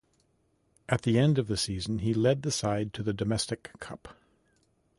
At the end of the season he led the side to the Domestic Cup.